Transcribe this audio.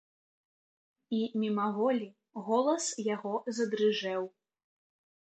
І мімаволі голас яго задрыжэў.